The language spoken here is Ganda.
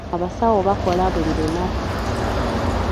Abasawo bakola buli lunaku.